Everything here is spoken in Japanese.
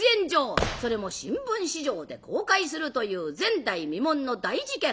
それも新聞紙上で公開するという前代未聞の大事件。